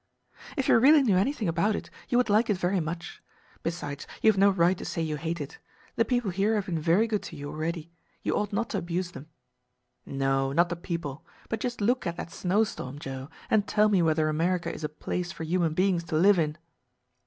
"If you really knew anything about it, you would like it very much. Besides, you have no right to say you hate it. The people here have been very good to you already. You ought not to abuse them." "No not the people. But just look at that snow storm, Joe, and tell me whether America is a place for human beings to live in."